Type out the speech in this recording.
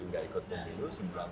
sembilan puluh tujuh gak ikut pemilu